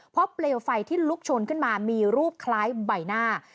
เพราะเปลวไฟที่ลุกชนขึ้นมามีรูปคล้ายใบหน้า